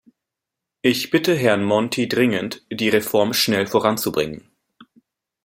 Ich bitte Herrn Monti dringend, die Reform schnell voranzubringen.